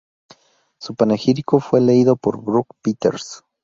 Su panegírico fue leído por Brock Peters.